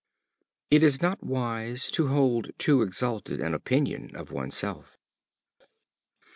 It is not wise, to hold too exalted an opinion of one's self.